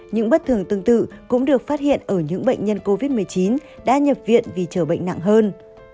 những bất thường tương tự cũng được phát hiện ở những bệnh nhân covid một mươi chín đã nhập viện vì chờ bệnh nặng hơn